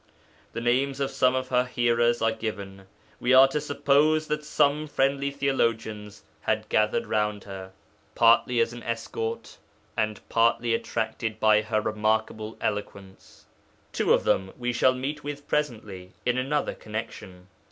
The names of some of her hearers are given; we are to suppose that some friendly theologians had gathered round her, partly as an escort, and partly attracted by her remarkable eloquence. Two of them we shall meet with presently in another connection.